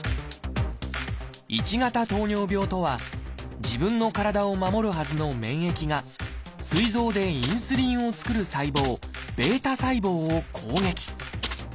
「１型糖尿病」とは自分の体を守るはずの免疫がすい臓でインスリンを作る細胞β細胞を攻撃。